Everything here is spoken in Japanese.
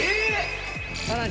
さらに！